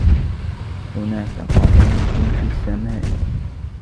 هناك طائرة في السّماء.